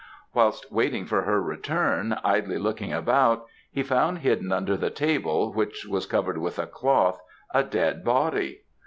Whilst waiting for her return, idly looking about, he found hidden under the table, which was covered with a cloth, a dead body.